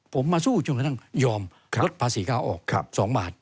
ผมมาสู้จนกระทั่งยอมลดภาษีค้าออก๒บาท